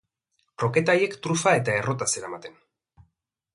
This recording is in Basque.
Kroketa haiek trufa eta errota zeramaten.